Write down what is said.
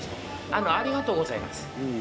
「ありがとうございます」